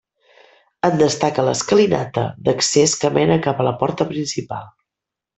En destaca l'escalinata d'accés que mena cap a la porta principal.